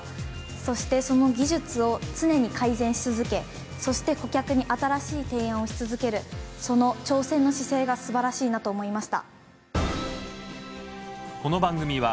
そしてその技術を常に改善し続けそして顧客に新しい提案をし続けるその挑戦の姿勢がすばらしいなと思いました。